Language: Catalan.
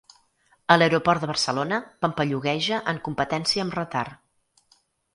A l'aeroport de Barcelona pampallugueja en competència amb retard.